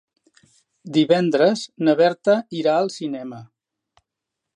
Divendres na Berta irà al cinema.